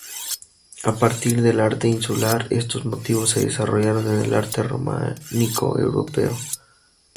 A partir del arte insular, estos motivos se desarrollaron en el arte románico europeo.